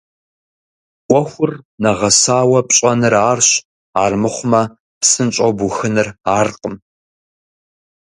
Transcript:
Ӏуэхур нэгъэсауэ пщӀэныр арщ, армыхъумэ псынщӀэу бухыныр аркъым.